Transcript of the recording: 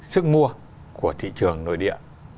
sức mua của thị trường nội địa